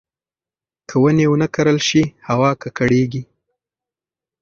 که ونې ونه کرل شي، هوا ککړېږي.